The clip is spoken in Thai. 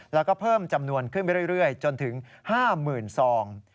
แล้วก็เพิ่มจำนวนขึ้นไปเรื่อยจนถึง๕๐๐๐ซอง